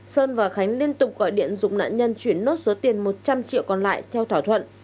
sơn và khánh liên tục gọi điện dụng nạn nhân chuyển nốt số tiền một trăm linh triệu còn lại theo thỏa thuận